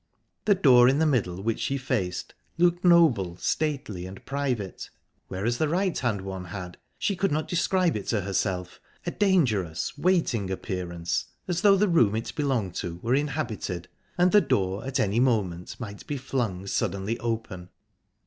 The door in the middle, which she faced, looked noble, stately, and private, whereas the right hand one had she could not describe it to herself a dangerous, waiting appearance, as though the room it belonged to were inhabited and the door at any moment might be flung suddenly open.